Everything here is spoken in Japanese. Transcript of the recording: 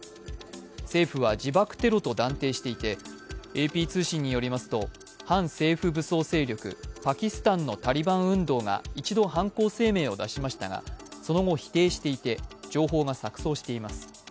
政府は自爆テロと断定していてＡＰ通信によりますと反政府武装勢力パキスタンのタリバン運動が一度、犯行声明を出しましたがその後、否定していて情報が錯綜しています。